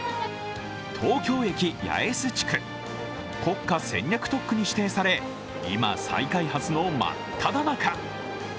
東京駅八重洲地区、国家戦略特区に指定され、今、再開発の真っただ中。